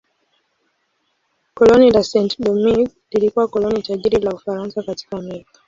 Koloni la Saint-Domingue lilikuwa koloni tajiri la Ufaransa katika Amerika.